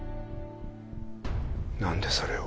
なんでそれを。